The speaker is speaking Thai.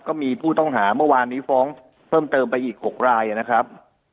ก็มีผู้ต้องหาเมื่อวานนี้ฟ้องเพิ่มเติมไปอีก๖รายนะครับ